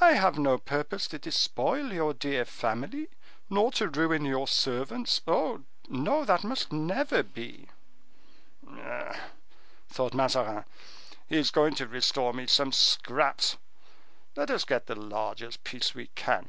"I have no purpose to despoil your dear family, nor to ruin your servants. Oh, no, that must never be!" "Humph!" thought Mazarin, "he is going to restore me some scraps; let us get the largest piece we can."